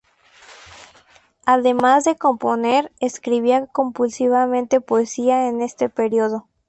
Además de componer, escribía compulsivamente poesía en este periodo.